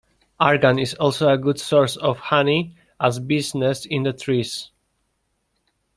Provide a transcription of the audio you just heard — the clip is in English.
Argan is also a good source of honey, as bees nest in the trees.